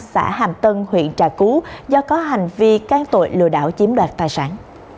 xã hàm tân huyện trà cú do có hành vi can tội lừa đảo chiếm đoạt tài sản